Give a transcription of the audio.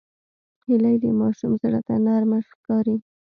هیلۍ د ماشوم زړه ته نرمه ښکاري